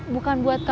bukan buat kau bet